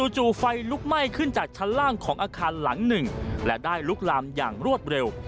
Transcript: จู่ไฟลุกไหม้ขึ้นจากชั้นล่างของอาคารหลังหนึ่งและได้ลุกลามอย่างรวดเร็ว